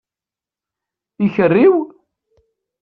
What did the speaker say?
Ikeri-w?